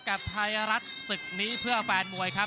กับไทยรัฐศึกนี้เพื่อแฟนมวยครับ